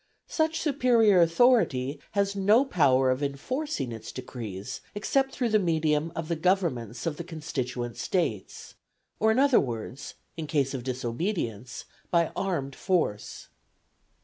Such superior authority has no power of enforcing its decrees except through the medium of the governments of the constituent States; or, in other words, in case of disobedience, by armed force.